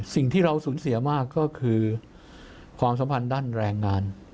สิ่งที่เราสูญเสียมากก็คือความสัมพันธ์ด้านแรงงาน